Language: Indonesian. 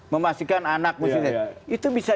memastikan anak muslim itu bisa